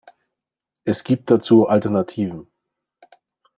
Es gibt dazu Alternativen.